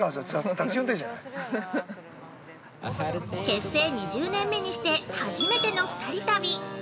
◆結成２０年目にして、初めての二人旅。